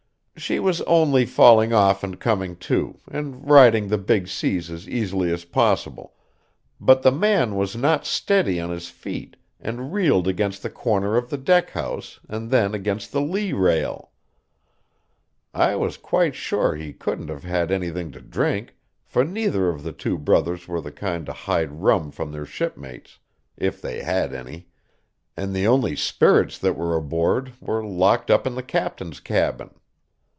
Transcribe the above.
She was only falling off and coming to, and riding the big seas as easily as possible, but the man was not steady on his feet and reeled against the corner of the deck house and then against the lee rail. I was quite sure he couldn't have had anything to drink, for neither of the brothers were the kind to hide rum from their shipmates, if they had any, and the only spirits that were aboard were locked up in the captain's cabin.